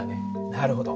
なるほど。